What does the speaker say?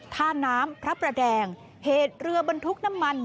ท่าน้ำพระประแดงเหตุเรือบรรทุกน้ำมัน